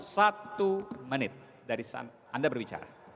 satu menit dari anda berbicara